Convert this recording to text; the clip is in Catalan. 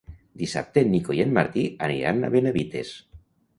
Dissabte en Nico i en Martí aniran a Benavites.